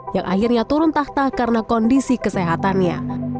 yang akhirnya turun tahta karena kondisi kesehatannya